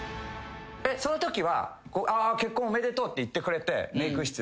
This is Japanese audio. そのときは「結婚おめでとう」って言ってくれてメーク室で。